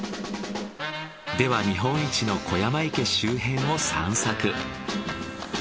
では日本一の湖山池周辺を散策。